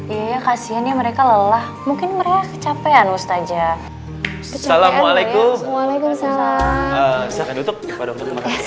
iya kasiannya mereka lelah mungkin mereka kecapean mustahaja salamualaikum waalaikumsalam